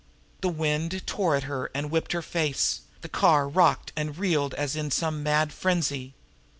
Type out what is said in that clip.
The wind tore at her and whipped her face; the car rocked and reeled as in some mad frenzy.